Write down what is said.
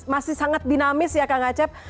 masih sangat dinamis ya kak ngacep